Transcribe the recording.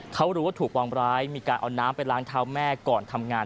เขารู้ว่าถูกวางร้ายมีการเอาน้ำไปล้างเท้าแม่ก่อนทำงาน